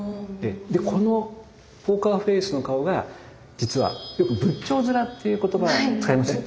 でこのポーカーフェースの顔が実はよく仏頂面っていう言葉使いません？